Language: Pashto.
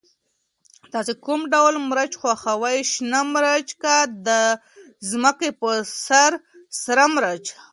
تاسو کوم ډول مرچ خوښوئ، شنه مرچ که د ځمکې په سر سره مرچ؟